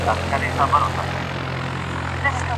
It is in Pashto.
مرغۍ په ځمکه نه اوسېږي.